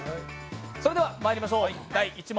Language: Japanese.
それではまいりましょう、第１問。